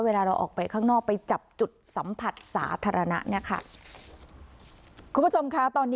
เวลาเราออกไปข้างนอกไปจับจุดสัมผัสสาธารณะเนี่ยค่ะคุณผู้ชมค่ะตอนนี้